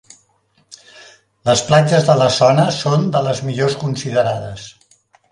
Les platges de la zona són de les millors considerades.